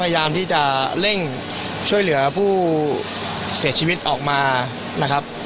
พยายามที่จะเร่งช่วยเหลือผู้เสียชีวิตออกมานะครับ